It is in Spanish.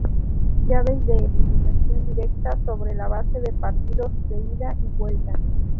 Llaves de eliminación directa sobre la base de partidos de ida y vuelta.